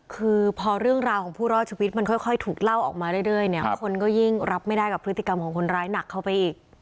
คือพอเรื่องราวของผู้รอดชีวิตมันค่อยถูกเล่าออกมาเรื่อยเนี่ยคนก็ยิ่งรับไม่ได้กับพฤติกรรมของคนร้ายหนักเข้าไปอีก